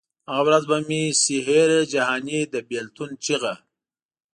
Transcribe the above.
هغه ورځ به مي سي هېره جهاني د بېلتون چیغه